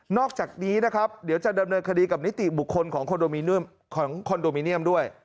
อกจากนี้นะครับเดี๋ยวจะดำเนินคดีกับนิติบุคคลของคอนโดของคอนโดมิเนียมด้วย